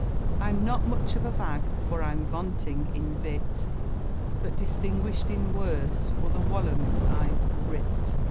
I'm not much of a Vag, for I'm vanting in Vit; But distinguished in Werse for the Wollums I've writ.